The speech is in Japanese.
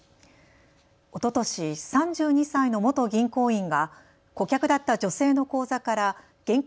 おととし、３２歳の元銀行員が顧客だった女性の口座から現金